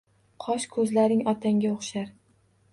Qosh, ko’zlaring otangga o’xshar.